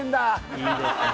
いいですね